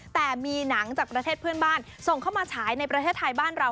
แต่มีหนังจากประเทศเพื่อนบ้านส่งเข้ามาฉายในประเทศไทยบ้านเรา